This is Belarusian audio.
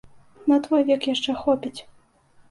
На твой век яшчэ хопіць.